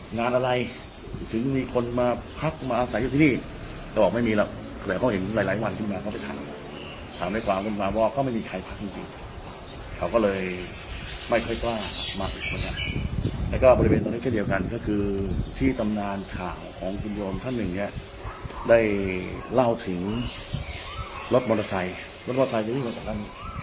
งานอะไรถึงมีคนมาพักมาอาศัยอยู่ที่นี่แต่บอกไม่มีหรอกแต่เขาเห็นหลายหลายวันที่มาเขาไปทักถามในความขึ้นมาว่าก็ไม่มีใครพักจริงเขาก็เลยไม่ค่อยกล้ามากแล้วก็บริเวณตรงนี้เช่นเดียวกันก็คือที่ตำนานข่าวของคุณโยมท่านหนึ่งเนี่ยได้เล่าถึงรถมอเตอร์ไซค์รถมอเตอร์ไซค์วิ่งมาจากนั้น